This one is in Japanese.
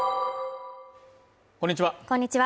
こんにちは